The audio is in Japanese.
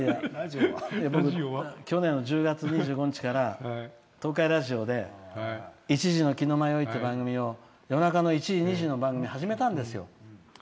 僕、去年の９月２５日から東海ラジオで「１時の鬼の魔酔い」っていう番組を夜中の１時、２時の番組を始めたんですよ。